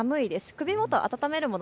首元を温めるもの